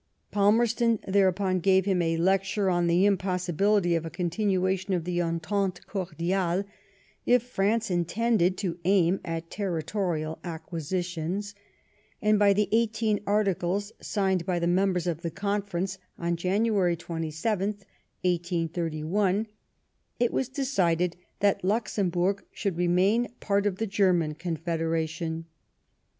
Palmerston thereupon gave him a lecture on the impossibility of a continuation of ihe entente cordiale if France intended to aim at territorial acquisitions ; and by the Eighteen Articles, signed by the members of the Conference on January 27th, 1831, it was decided that Luxemburg should remain part of the German Confederation.